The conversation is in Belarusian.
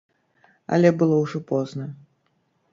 Але было ўжо позна.